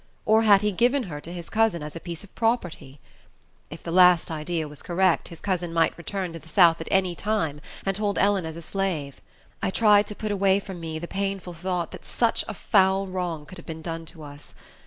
Or had he given her to his cousin, as a piece of property? If the last idea was correct, his cousin might return to the south at any time, and hold Ellen as a slave. I tried to put away from me the painful thought that such a foul wrong could have been done to us.